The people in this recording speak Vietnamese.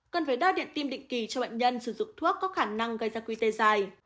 cần phải đo điện tim định kỳ cho bệnh nhân sử dụng thuốc có khả năng gây ra qt dài